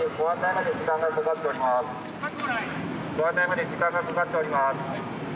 ご案内まで時間がかかっております。